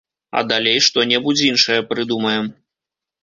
А далей што-небудзь іншае прыдумаем.